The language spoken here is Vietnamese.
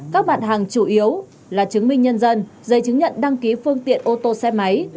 các bản hàng chủ yếu là chứng minh nhân dân giấy chứng nhận đăng ký phương tiện ô tô xe máy